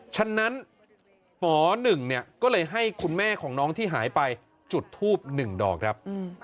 ฉะนั้นหมอหนึ่งเนี่ยก็เลยให้คุณแม่ของน้องที่หายไปจุดทูบ๑ดอกครับ